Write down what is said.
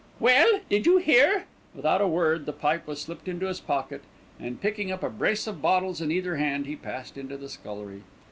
"Well! did you hear?" Without a word the pipe was slipped into his pocket, and picking up a brace of bottles in either hand he passed into the scullery.